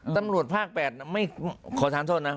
ตำรวจภาค๘ขอโทษนะ